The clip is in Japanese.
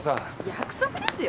約束ですよ。